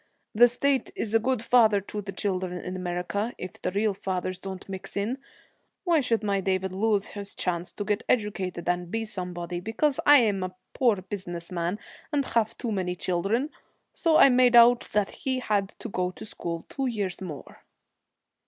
The state is a good father to the children in America, if the real fathers don't mix in. Why should my David lose his chance to get educated and be somebody, because I am a poor business man, and have too many children? So I made out that he had to go to school two years more.'